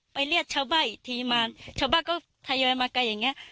ไปเรียกชาวบ้าอีกทีมาชาวบ้าก็ถ่ายไว้มากันอย่างเงี้ย